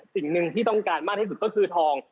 สิ่งหนึ่งที่ต้องการมากที่สุดก็คือทอง